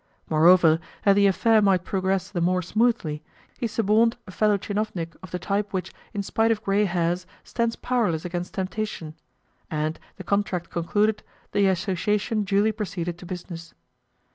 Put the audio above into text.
Moreover, that the affair might progress the more smoothly, he suborned a fellow tchinovnik of the type which, in spite of grey hairs, stands powerless against temptation; and, the contract concluded, the association duly proceeded to business.